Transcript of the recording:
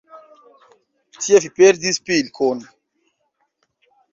Tie vi perdis pilkon.